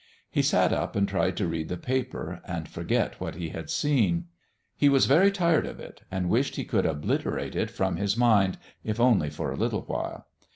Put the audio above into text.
He sat up and tried to read the paper and forget what he had seen. He was very tired of it, and wished he could obliterate it from his mind, if only for a little while.